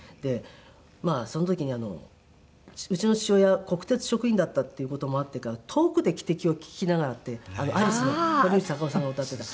まあその時にあのうちの父親は国鉄職員だったっていう事もあってか『遠くで汽笛を聞きながら』ってあのアリスの堀内孝雄さんが歌ってた。